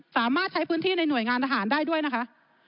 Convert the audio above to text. สามารถใช้พื้นที่ในหน่วยงานทหารได้ด้วยนะคะ